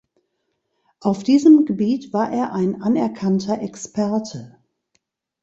Auf diesem Gebiet war er ein anerkannter Experte.